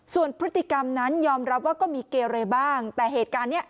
ส่วนพฤติกรรมนั้นยอมรับว่าก็มีเกเรบ้างแต่เหตุการณ์นี้